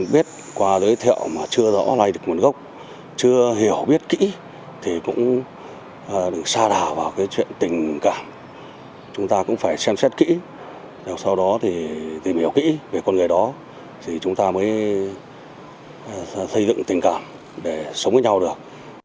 và xây dựng tình cảm để sống với nhau được